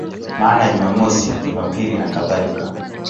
Maana ya Jumamosi, Jumapili nakadhalika.